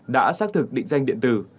đã xác thực định danh điện tử